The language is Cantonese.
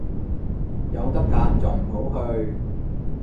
有得揀就唔好去